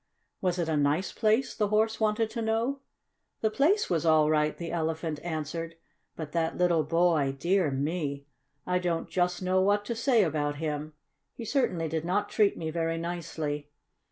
"Was it a nice place?" the Horse wanted to know. "The place was all right," the Elephant answered. "But that little boy! Dear me! I don't just know what to say about him, he certainly did not treat me very nicely.